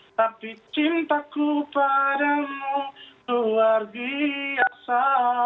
tapi cintaku padamu luar biasa